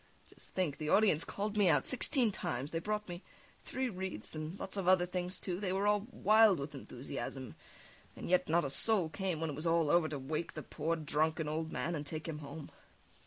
Just think, the audience called me out sixteen times; they brought me three wreathes and lots of other things, too; they were all wild with enthusiasm, and yet not a soul came when it was all over to wake the poor, drunken old man and take him home.